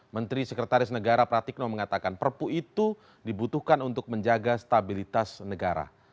menteri sekretaris negara pratikno mengatakan perpu itu dibutuhkan untuk menjaga stabilitas negara